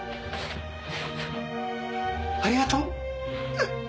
ありがとう。